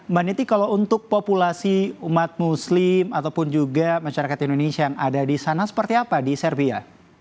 mbak niti kalau untuk populasi umat muslim ataupun juga masyarakat indonesia yang ada di sana seperti apa di serbia